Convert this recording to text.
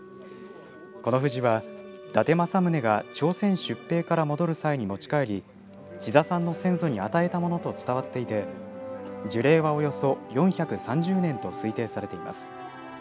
この藤は伊達政宗が朝鮮出兵から戻る際に持ち帰り千田さんの先祖に与えたものと伝わっていて樹齢はおよそ４３０年と推定されています。